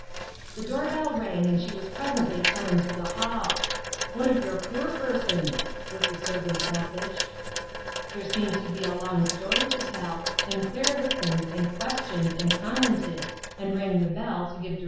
The door bell rang, and she was presently summoned to the hall. " One of your poor persons," was the ser vant's message. There seemed to be a long story to tell, and Claire listened, and questioned, and commented, and rang the bell to give di